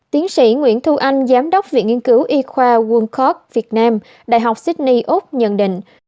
tiến sĩ nguyễn thu anh giám đốc viện nghiên cứu y khoa quânk việt nam đại học sydney úc nhận định